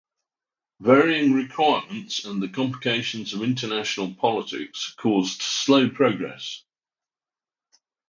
Varying requirements and the complications of international politics caused slow progress.